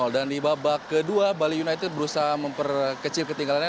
dan di babak kedua bali united berusaha memperkecil ketinggalannya